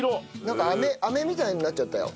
なんか飴飴みたいになっちゃったよ。